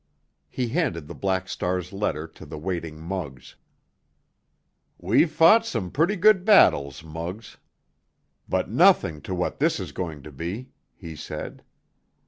He handed the Black Star's letter to the waiting Muggs. "We've fought some pretty good battles, Muggs, but nothing to what this is going to be," he said.